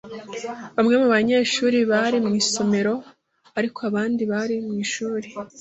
Bamwe mu banyeshuri bari mu isomero, ariko abandi bari mu ishuri.